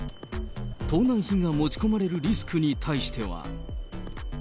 盗難品が持ち込まれるリスクに対しては。